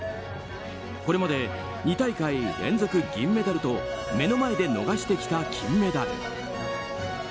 これまで２大会連続銀メダルと目の前で逃してきた金メダル。